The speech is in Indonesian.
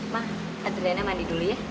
ma adriana mandi dulu ya